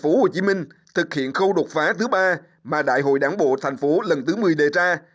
phố hồ chí minh thực hiện khâu đột phá thứ ba mà đại hội đảng bộ thành phố lần thứ một mươi đề ra